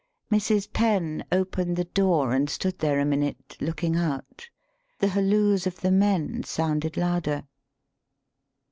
Mrs. Penn opened the door and stood there a minute look ing out; the halloos of the men sounded louder.